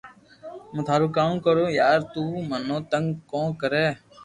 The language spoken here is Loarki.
ھون ٿارو ڪاوُ ڪرو يار تو منو تنگ ڪو ڪرو